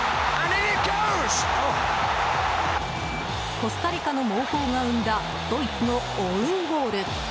コスタリカの猛攻が生んだドイツのオウンゴール。